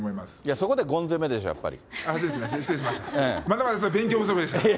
そこでゴン攻めでしょ、やっぱり。